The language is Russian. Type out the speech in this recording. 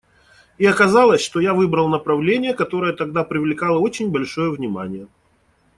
И оказалось, что я выбрал направление, которое тогда привлекало очень большое внимание.